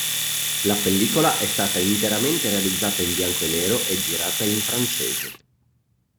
La pellicola è stata interamente realizzata in bianco e nero e girata in francese.